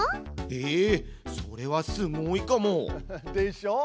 ええそれはすごいかも！でしょ。